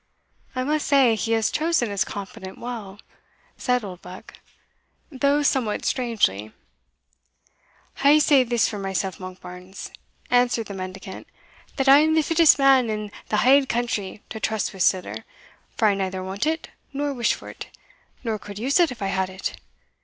"I must say he has chosen his confidant well," said Oldbuck, "though somewhat strangely." "I'll say this for mysell, Monkbarns," answered the mendicant, "that I am the fittest man in the haill country to trust wi' siller, for I neither want it, nor wish for it, nor could use it if I had it.